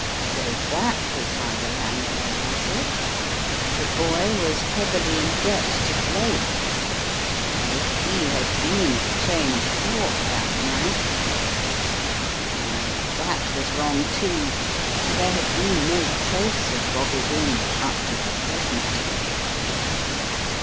So that was how the land lay, was it? The boy was heavily in debt to Blake, and if he had been at Cheyne Court that night. ... No, that was wrong, too, for there had been no trace of Bobby Wynne — up to the present.